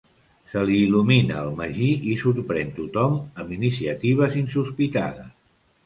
Se li il·lumina el magí i sorprèn tothom amb iniciatives insospitades.